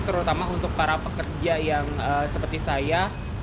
terutama untuk para pekerja yang seperti saya